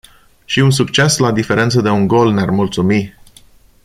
Și un succes la diferență de un gol ne-ar mulțumi.